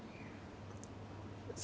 saya tidak yakin